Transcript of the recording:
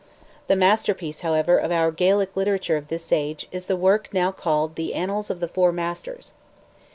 The master piece, however, of our Gaelic literature of this age, is the work now called "The Annals of the Four Masters."